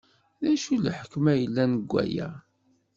D acu n lḥekma i yella deg waya?